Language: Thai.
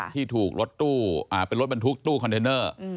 ที่ถูกรถตู้เป็นรถบรรทุกตู้คอนเทนเนอร์